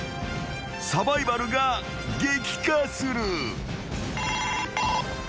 ［サバイバルが激化する］